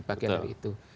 bagian dari itu